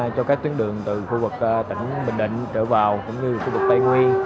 cho các tuyến đường từ khu vực tỉnh bình định trợ vào tỉnh như khu vực tây nguyên